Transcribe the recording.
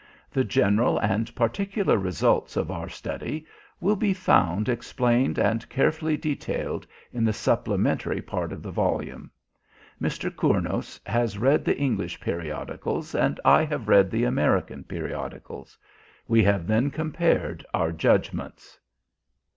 The general and particular results of our study will be found explained and carefully detailed in the supplementary part of the volume. Mr. Cournos has read the English periodicals, and I have read the American periodicals. We have then compared our judgements.